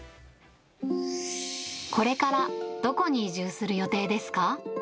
これからどこに移住する予定ですか？